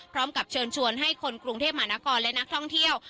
พร้อมกับเชิญชวนให้คนกรุงเทพมหานครและนักท่องเที่ยว